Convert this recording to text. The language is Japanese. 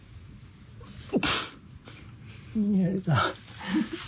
うっ逃げられた。